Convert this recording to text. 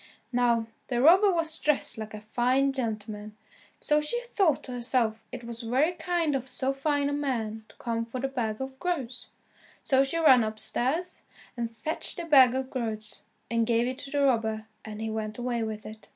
Now the robber was dressed like a fine gentleman, so she thought to herself it was very kind of so fine a man to come for the bag of groats, so she ran upstairs and fetched the bag of groats, and gave it to the robber and he went away with it.